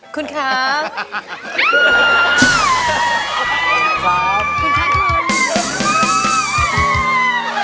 คุณครับ